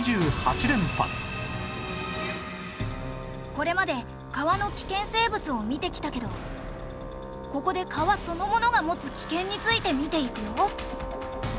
これまで川の危険生物を見てきたけどここで川そのものが持つ危険について見ていくよ。